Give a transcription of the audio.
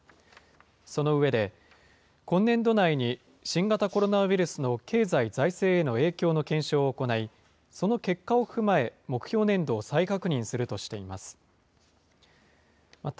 その上で、今年度内に新型コロナウイルスの経済財政への影響の検証を行い、その結果を踏まえ、目標年度を再確認するとしています。